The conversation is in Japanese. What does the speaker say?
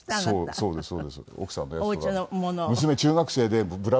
そうですか。